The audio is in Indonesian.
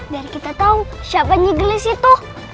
dan kita tau siapa nyigelis itu